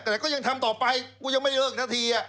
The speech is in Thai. แต่ก็ยังทำต่อไปกูยังไม่ได้เลิกนาที